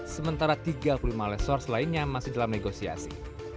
sementara tiga puluh lima lesor selainnya masih dalam negosiasi